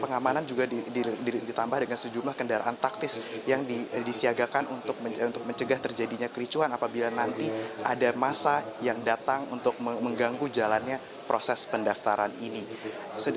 pengamanan juga ditambah dengan sejumlah kendaraan taktis yang disiagakan untuk mencegah terjadinya kericuhan apabila nanti ada masa yang datang untuk mengganggu jalannya proses pendaftaran ini